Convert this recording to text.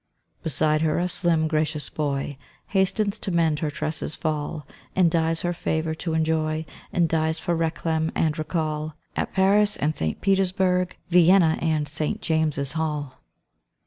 Beside her a slim, gracious boy Hastens to mend her tresses' fall, And dies her favour to enjoy, And dies for réclame and recall At Paris and St. Petersburg, Vienna and St. James's Hall.